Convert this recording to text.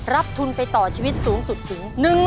ทุนไปต่อชีวิตสูงสุดถึง